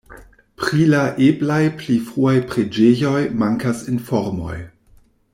Pri la eblaj pli fruaj preĝejoj mankas informoj.